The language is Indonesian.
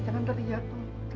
jangan terlihat tuh